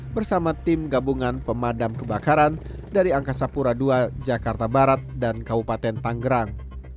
bersama tim gabungan pemadam kebakaran dari angkasa pura ii jakarta barat dan kabupaten tanggerang